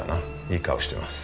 いい顔してます。